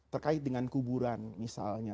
terkait dengan kuburan misalnya